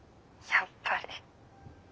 やっぱり？